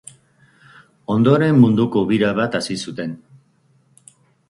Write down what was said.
Ondoren Munduko bira bat hasi zuten.